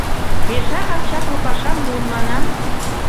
Пешакак чапле пашам муын, манам.